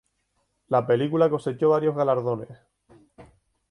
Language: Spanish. La película cosechó varios galardones.